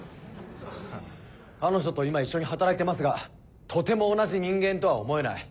彼女と今一緒に働いてますがとても同じ人間とは思えない。